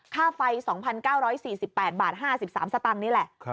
ค่าไฟ๒๙๔๘๕๓บาทนี่แหละ